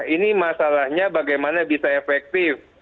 ini masalahnya bagaimana bisa efektif